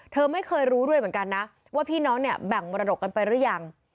เธอไม่เคยรู้ด้วยเหมือนกันนะว่าพี่น้องเนี่ยแบ่งมรดกกันไปหรือยัง